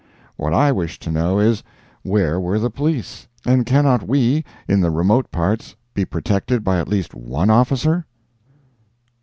What I wish to know is, where were the Police, and cannot we, in the remote parts, be protected by at least one officer?